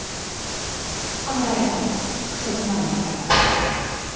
この台本クソつまんないから。